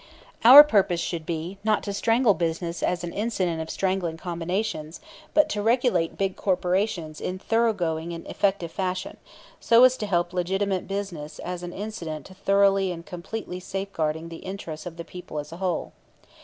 Our purpose should be, not to strangle business as an incident of strangling combinations, but to regulate big corporations in thoroughgoing and effective fashion, so as to help legitimate business as an incident to thoroughly and completely safeguarding the interests of the people as a whole.